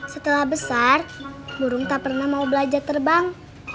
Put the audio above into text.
setelah besar burung tak pernah mau belajar terbang